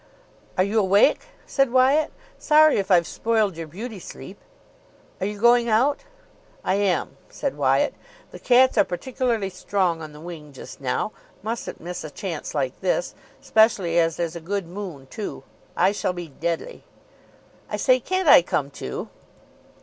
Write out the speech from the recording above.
"Are you awake?" said Wyatt. "Sorry if I've spoiled your beauty sleep." "Are you going out?" "I am," said Wyatt. "The cats are particularly strong on the wing just now. Mustn't miss a chance like this. Specially as there's a good moon, too. I shall be deadly." "I say, can't I come too?"